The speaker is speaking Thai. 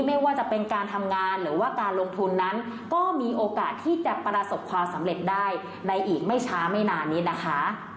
ไม่ว่าจะเป็นการทำงานหรือว่าการลงทุนนั้นก็มีโอกาสที่จะประสบความสำเร็จได้ในอีกไม่ช้าไม่นานนี้นะคะ